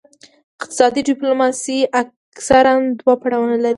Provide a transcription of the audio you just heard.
اقتصادي ډیپلوماسي اکثراً دوه پړاوونه لري